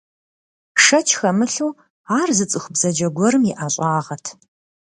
Шэч хэмылъу, ар зы цӀыху бзаджэ гуэрым и ӀэщӀагъэт.